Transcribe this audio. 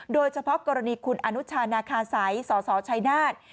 โดยเฉพาะกรณีคุณอนุชานาคาสัยสสชัยนาฏ